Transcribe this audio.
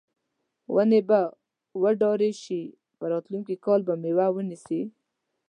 ونې به وډارې شي او راتلونکي کال به میوه ونیسي.